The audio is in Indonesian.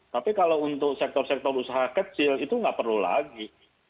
tapi kalau untuk sektor sektor usaha kecil itu nggak perlu lagi